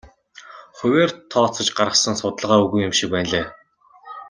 Хувиар тооцож гаргасан судалгаа үгүй юм шиг байна лээ.